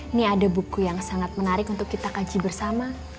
ini ada buku yang sangat menarik untuk kita kaji bersama